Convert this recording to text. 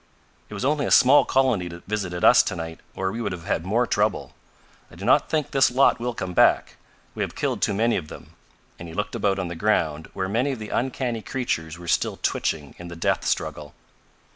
"It was only a small colony that visited us tonight or we would have had more trouble. I do not think this lot will come back. We have killed too many of them," and he looked about on the ground where many of the uncanny creatures were still twitching in the death struggle.